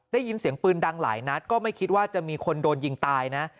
ได้ยินเสียงปืนดังหลายนัดก็ไม่คิดว่าจะมีคนโดนยิงตายนะ